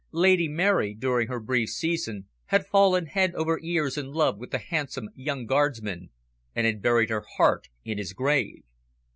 Lady Mary, during her brief season, had fallen head over ears in love with the handsome young Guardsman, and had buried her heart in his grave.